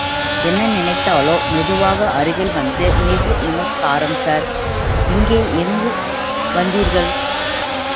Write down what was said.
என்ன நினைத்தாளோ, மெதுவாக அருகில் வந்து நிவ்வு நமஸ்காரம், ஸார்.. இங்கே எங்கு வந்தீர்கள்?